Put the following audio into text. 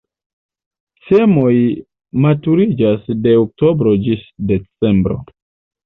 Semoj maturiĝas de oktobro ĝis decembro.